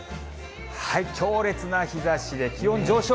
強烈な日ざしで気温上昇。